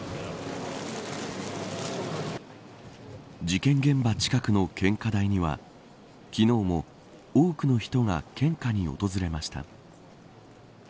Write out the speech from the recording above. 事件現場近くの献花台には昨日も多くの人が献花に訪れました。